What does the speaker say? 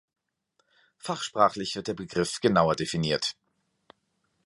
Fachsprachlich wird der Begriff genauer definiert.